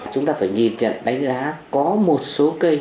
chúng ta phải nhìn nhận đánh giá có một số kênh